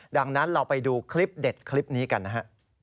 ดังนั้นเราไปดูคลิปเด็ดคลิปนี้กันนะฮะ